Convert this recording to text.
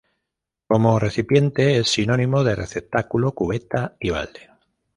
Como recipiente es sinónimo de receptáculo, cubeta y balde.